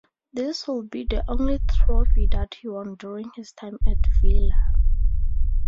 This would be the only trophy that he won during his time at Villa.